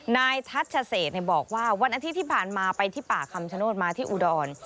ชัชเศษบอกว่าวันอาทิตย์ที่ผ่านมาไปที่ป่าคำชโนธมาที่อุดร